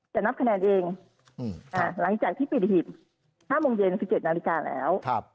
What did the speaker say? จะนับคะแนนเองอืมอ่าหลังจากที่ปิดหิบห้าโมงเย็นสิบเจ็ดนาฬิกาแล้วครับ